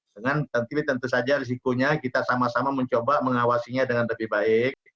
dengan tentu saja risikonya kita sama sama mencoba mengawasinya dengan lebih baik